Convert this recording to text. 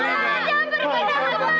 jangan pergi taufan